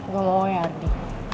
gue mau ya ardi